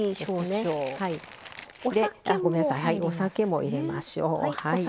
お酒も入れましょう。